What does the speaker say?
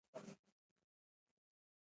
غزني د افغانستان د امنیت په اړه هم اغېز لري.